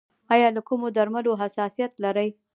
ایا له کومو درملو حساسیت لرئ؟